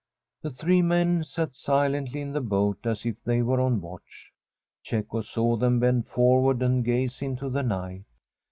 The three men sat silently in the boat as if they were on watch. Cecco saw them bend for ward and gaze into the night.